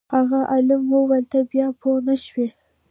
هغه عالم وویل ته بیا پوه نه شوې.